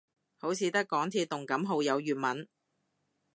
好似得港鐵動感號有粵文